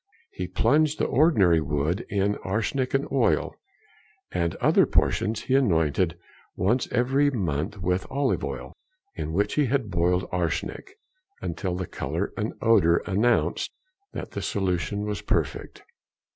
He plunged the ordinary wood in arsenic and oil, and other portions he anointed once every month with olive oil, in which he had boiled arsenic, until the colour and odour announced that the solution was perfect.